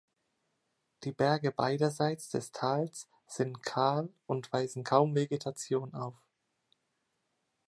Die Berge beiderseits des Tals sind kahl und weisen kaum Vegetation auf.